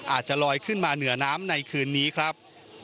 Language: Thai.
อาจจะลอยขึ้นมาเหนือน้ำในคืนนี้ครับ